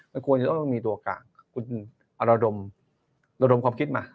ก็ควรจะต้องมีตัวกลางคุณระดมความคิดมา